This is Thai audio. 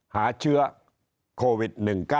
หาเชื้อโควิด๑๙